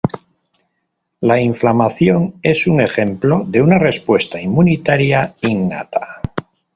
La inflamación es un ejemplo de una respuesta inmunitaria innata.